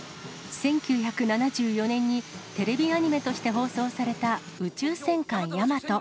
１９７４年にテレビアニメとして放送された宇宙戦艦ヤマト。